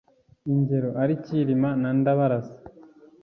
Ingero ari Cyilima na Ndabarasa.